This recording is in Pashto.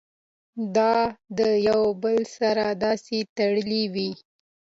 دا د يو بل سره داسې تړلي وي